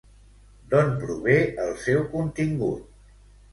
D'on prové el seu contingut?